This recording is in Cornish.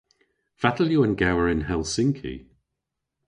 Fatel yw an gewer yn Helsinki?